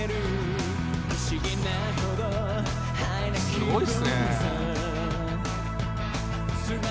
「すごいっすね」